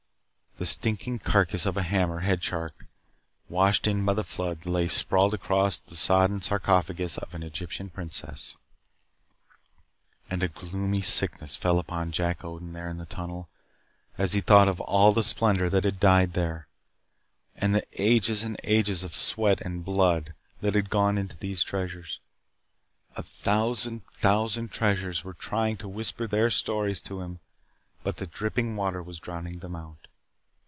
The stinking carcass of a hammer head shark, washed in by the flood, lay sprawled across the sodden sarcophagus of an Egyptian princess. And a gloomy sickness fell upon Jack Odin there in the tunnel as he thought of all the splendor that had died here, and the ages and ages of sweat and blood that had gone into these treasures. A thousand, thousand treasures were trying to whisper their stories to him, but the dripping water was drowning them out.